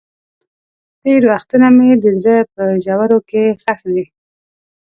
تېر وختونه مې د زړه په ژورو کې ښخ دي.